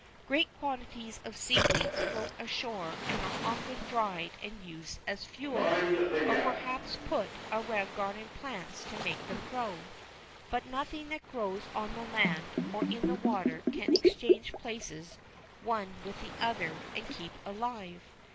Great quantities of seaweeds float ashore and are often dried and used as fuel, or perhaps are put around garden plants to make them grow. But nothing that grows on the land, or in the water, can exchange places one with the other and keep alive.